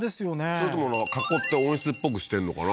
それとも囲って温室っぽくしてんのかな？